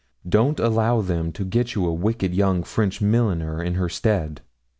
Don't allow them to get you a wicked young French milliner in her stead.'